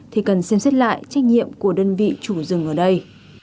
thì cần xem xét lại trách nhiệm của đơn vị chủ rừng ở đây